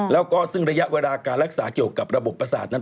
แล้วก็ซึ่งระยะเวลาการรักษาเกี่ยวกับระบบประสาทนั้น